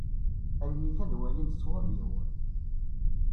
Allen-ik ad walint ṣṣwab-iw.